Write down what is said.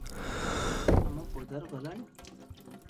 ଆମପଦର ଗଲାଣି?